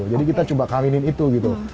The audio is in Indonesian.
jadi kita coba kawinin itu gitu